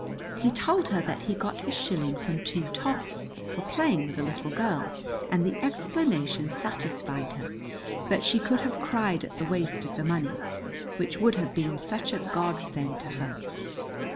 He told her that he got his shilling from two toffs for playing with a little girl, and the explanation satisfied her; but she could have cried at the waste of the money, which would have been such a God send to her.